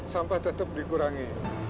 sampah tetap dikurangi